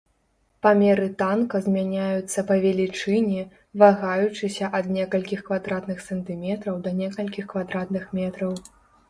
Памеры танка змяняюцца па велічыні, вагаючыся ад некалькіх квадратных сантыметраў да некалькіх квадратных метраў.